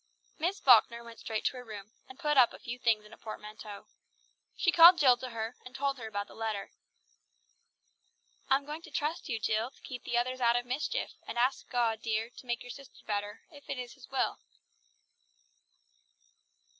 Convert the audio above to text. Miss Falkner went straight to her room, and put up a few things in a portmanteau. She called Jill to her, and told her about the letter. "I am going to trust you, Jill, to keep the others out of mischief, and ask God, dear, to make your sister better, if it is His will."